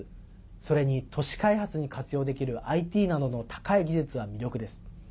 それに、都市開発に活用できるＩＴなどの高い技術は魅力です。